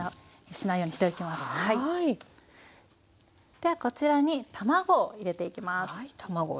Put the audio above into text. ではこちらに卵を入れていきます。